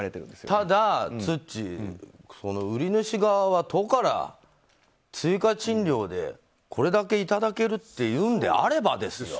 ただ、ツッチー、売り主側は都から追加賃料で、これだけいただけるというんであればですよ。